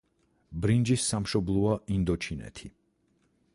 ბრინჯის სამშობლოა ინდოჩინეთი.